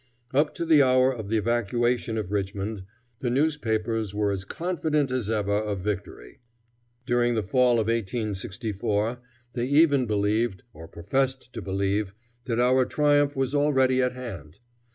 Up to the hour of the evacuation of Richmond, the newspapers were as confident as ever of victory. During the fall of 1864 they even believed, or professed to believe, that our triumph was already at hand.